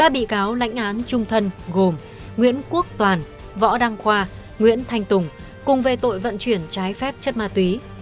ba bị cáo lãnh án trung thân gồm nguyễn quốc toàn võ đăng khoa nguyễn thanh tùng cùng về tội vận chuyển trái phép chất ma túy